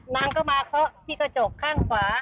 นางก็มาเคาะที่กระจกข้างขวา